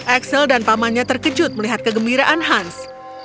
axel dan pamannya terkejut melihat kegembiraan hans